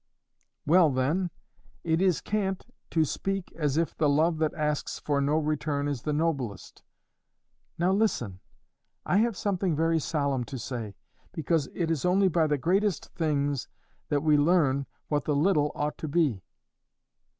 "Well then, it is cant to speak as if the love that asks for no return is the noblest. Now listen. I have something very solemn to say, because it is only by the greatest things that we learn what the little ought to be.